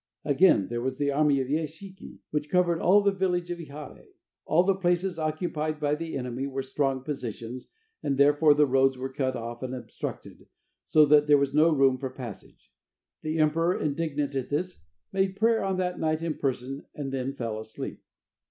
Again there was the army of Ye Shiki, which covered all the village of Ihare. All the places occupied by the enemy were strong positions, and therefore the roads were cut off and obstructed, so that there was no room for passage. The emperor, indignant at this, made prayer on that night in person, and then fell asleep.